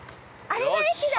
あれが駅だ！